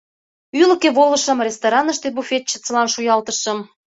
Ӱлыкӧ волышым, рестораныште буфетчицылан шуялтышым.